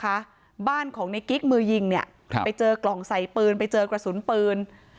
กลายจุดนะคะบ้านของในกิ๊กมือยิงเนี่ยไปเจอกล่องใสปืนไปเจอกระสุนปืน